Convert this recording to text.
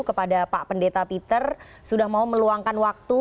kepada pak pendeta peter sudah mau meluangkan waktu